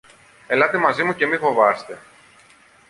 Ελάτε μαζί μου και μη φοβάστε!